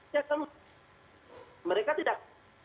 ya kan mereka tidak